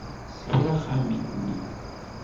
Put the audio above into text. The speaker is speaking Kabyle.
Tessekra axxam-nni.